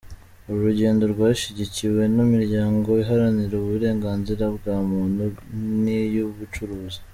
Uru rugendo rwashyigikiwe n’imiryango iharanira uburenganzira bwa muntu, n’iy’ubucuruzi.